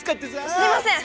すみません